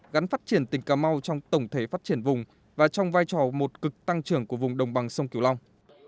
gắn phát triển tỉnh cà mau trong tổng thể phát triển vùng và trong vai trò một cực tăng trưởng của vùng đồng bằng sông kiều long